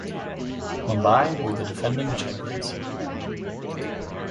Mumbai were the defending champions.